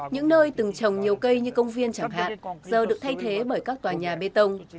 những nơi từng trồng nhiều cây như công viên chẳng hạn giờ được thay thế bởi các tòa nhà bê tông